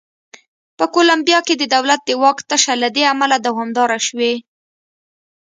په کولمبیا کې د دولت د واک تشه له دې امله دوامداره شوې.